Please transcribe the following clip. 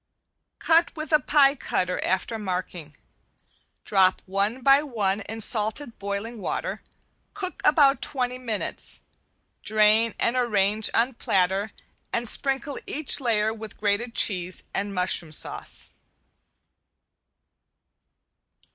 Cut with a pie cutter after marking. Drop one by one in salted boiling water, cook about twenty minutes, drain and arrange on platter and sprinkle each layer with grated cheese and mushroom sauce.